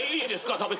食べて。